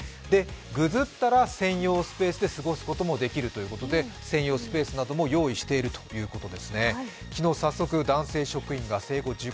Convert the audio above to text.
ぐずったら専用スペースで過ごすこともできるということで専用スペースなども用意しているということですね。